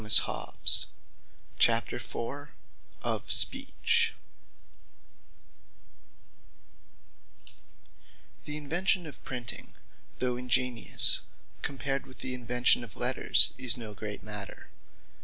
OF SPEECH Originall Of Speech The Invention of Printing, though ingenious, compared with the invention of Letters, is no great matter.